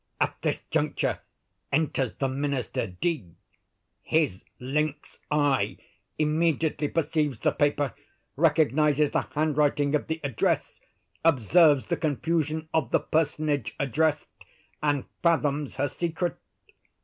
At this juncture enters the Minister D——. His lynx eye immediately perceives the paper, recognises the handwriting of the address, observes the confusion of the personage addressed, and fathoms her secret.